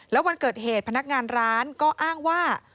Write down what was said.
แล้ววันเกิดเหตุพนักงานร้านก็อ้างว่า